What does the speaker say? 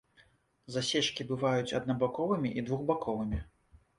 Засечкі бываюць аднабаковымі і двухбаковымі.